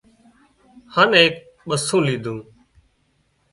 هانَ ايڪ ٻسُون ليڌون